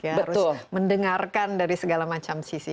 harus mendengarkan dari segala macam sisi